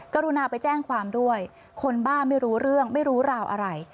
กรุณาไปแจ้งความด้วยคนบ้าไม่รู้เรื่องไม่รู้ราวอะไร